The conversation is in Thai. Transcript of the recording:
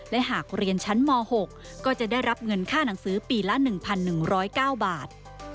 และหากเรียนชั้นม๖ก็จะได้รับเงินค่าหนังสือปีละ๑๑๐๙บาท